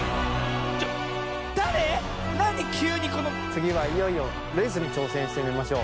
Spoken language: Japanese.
つぎはいよいよレースにちょうせんしてみましょう。